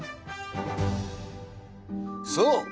そう！